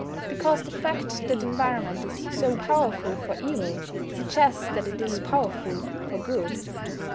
Because the fact that environment is so powerful for evil suggests that it is powerful for good.